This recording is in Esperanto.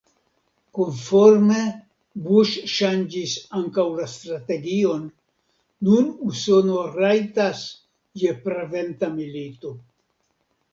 Konforme Bush ŝanĝis ankaŭ la strategion: nun Usono rajtas je preventa milito.